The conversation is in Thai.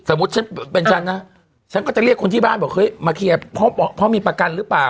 ฉันเป็นฉันนะฉันก็จะเรียกคนที่บ้านบอกเฮ้ยมาเคลียร์เพราะมีประกันหรือเปล่า